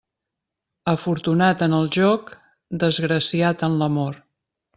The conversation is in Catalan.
Afortunat en el joc, desgraciat en l'amor.